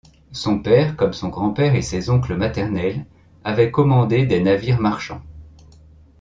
Son père, comme son grand-père et ses oncles maternels, avaient commandé des navires marchands.